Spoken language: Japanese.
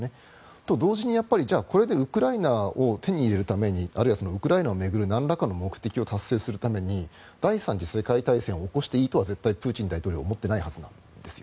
と、同時にこれでウクライナを手に入れるためにあるいはそのウクライナを巡るなんらかの目的を達成するために第３次世界大戦を起こしていいとは絶対にプーチン大統領は思っていないはずなんですよ。